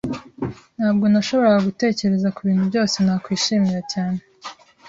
Ntabwo nashoboraga gutekereza kubintu byose nakwishimira cyane.